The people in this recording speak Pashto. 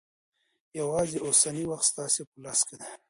یوازې اوسنی وخت ستاسې په لاس کې دی.